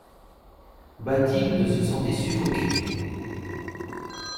Bathilde se sentait suffoquer.